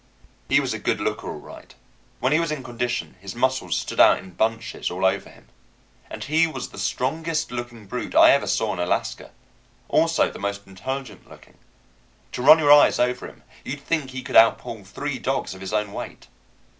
He was a good looker all right. When he was in condition his muscles stood out in bunches all over him. And he was the strongest looking brute I ever saw in Alaska, also the most intelligent looking. To run your eyes over him, you'd think he could outpull three dogs of his own weight.